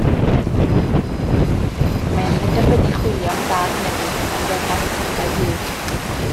Felly, mae e'n penderfynu chwilio am dad newydd ar wefan y Tadau Hud.